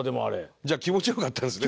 じゃあ気持ちよかったんですね？